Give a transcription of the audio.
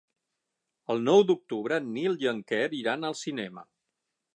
El nou d'octubre en Nil i en Quer iran al cinema.